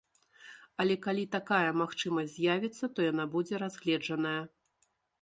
Але калі такая магчымасць з'явіцца, то яна будзе разгледжаная.